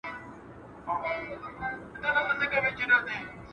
خدای دې د ترنک سیند ژر وچ کړي.